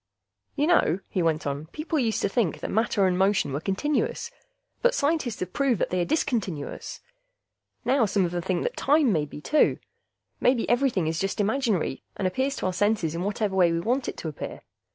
"You know," he went on, "people used to think matter and motion were continuous, but scientists have proved that they are discontinuous. Now some of them think time may be, too. Maybe everything is just imaginary, and appears to our senses in whatever way we want it to appear.